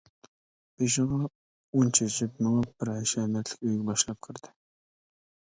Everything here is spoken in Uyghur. بېشىغا ئۇن چېچىپ مېڭىپ بىر ھەشەمەتلىك ئۆيگە باشلاپ كىردى.